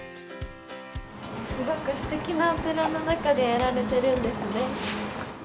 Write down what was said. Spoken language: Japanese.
すごくすてきなお寺の中でやられてるんですね。